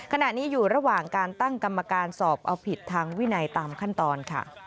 ขณะนี้อยู่ระหว่างการตั้งกรรมการสอบเอาผิดทางวินัยตามขั้นตอนค่ะ